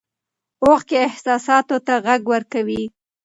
اوښکې احساساتو ته غږ ورکوي.